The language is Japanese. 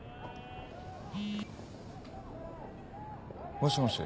・もしもし。